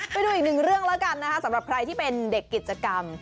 ไปดูอีกหนึ่งเรื่องแล้วกันนะคะสำหรับใครที่เป็นเด็กกิจกรรม